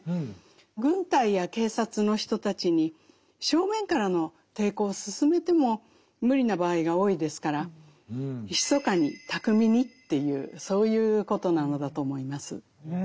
軍隊や警察の人たちに正面からの抵抗を勧めても無理な場合が多いですから密かに巧みにっていうそういうことなのだと思います。